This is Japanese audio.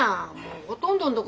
ほとんどのとこ